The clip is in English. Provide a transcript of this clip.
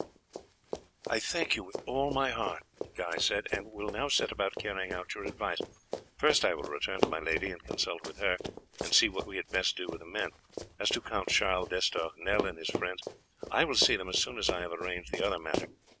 "I thank you with all my heart," Guy said, "and will now set about carrying out your advice. First, I will return to my lady and consult with her, and see what we had best do with the men. As to Count Charles d'Estournel and his friends, I will see them as soon as I have arranged the other matter.